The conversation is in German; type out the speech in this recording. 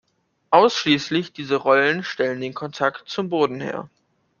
Ausschließlich diese Rollen stellen den Kontakt zum Boden her.